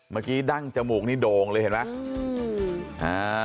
เมื่อกี้ดั้งจมูกนี่โด่งเลยเห็นไหม